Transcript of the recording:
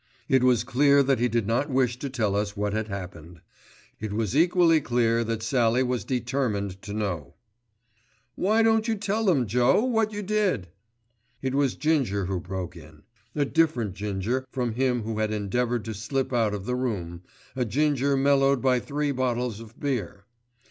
It was clear that he did not wish to tell us what had happened. It was equally clear that Sallie was determined to know. "Why don't you tell 'em, Joe, what you did?" It was Ginger who broke in. A different Ginger from him who had endeavoured to slip out of the room, a Ginger mellowed by three bottles of beer.